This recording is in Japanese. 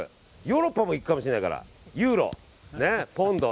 ヨーロッパも行くかもしれないからユーロ、ポンド。